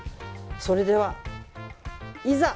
それでは、いざ！